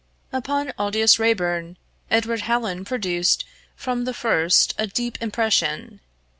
Upon Aldous Raeburn, Edward Hallin produced from the first a deep impression.